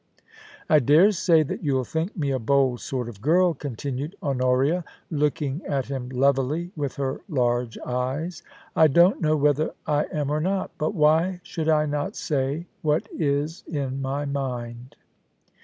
I dare say that you'll think me a bold sort of girl,' con tinued Honoria, looking at him levelly with her large eyes. * I don't know whether I am or not ; but why should I not say what is in my mind